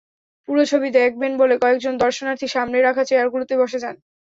পুরো ছবি দেখবেন বলে কয়েকজন দর্শনার্থী সামনে রাখা চেয়ারগুলোতে বসে যান।